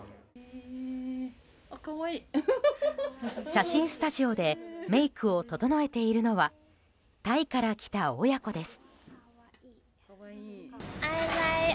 写真スタジオでメイクを整えているのはタイから来た親子です。